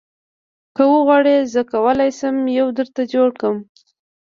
که وغواړې زه کولی شم یو درته جوړ کړم